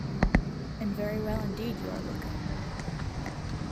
And very well indeed you are looking.